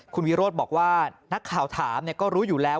คุณวิโรธบอกว่านักข่าวถามก็รู้อยู่แล้ว